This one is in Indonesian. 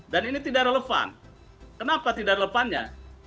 dan ini tidak relevan kenapa tidak relevannya